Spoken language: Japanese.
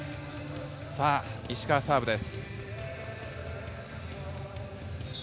石川、サーブです。